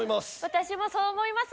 私もそう思います。